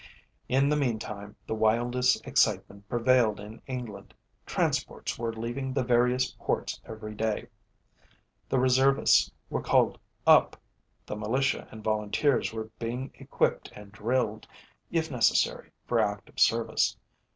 In the meantime, the wildest excitement prevailed in England. Transports were leaving the various ports every day, the Reservists were called up, the Militia and Volunteers were being equipped and drilled, if necessary, for active service.